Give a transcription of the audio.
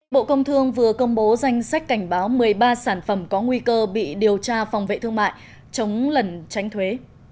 bộ công thương vừa công bố danh sách cảnh báo một mươi ba sản phẩm có nguy cơ bị điều tra phòng vệ thương mại chống lần tránh thuế